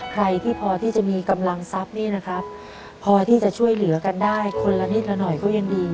ใครที่พอที่จะมีกำลังทรัพย์นี่นะครับพอที่จะช่วยเหลือกันได้คนละนิดละหน่อยก็ยังดี